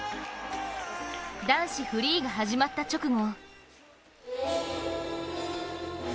男子フリーが始まった直後